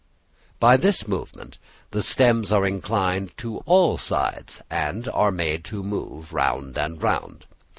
By this movement the stems are inclined to all sides, and are made to move round and round.